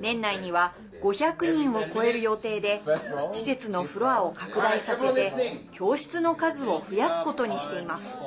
年内には５００人を超える予定で施設のフロアを拡大させて教室の数を増やすことにしています。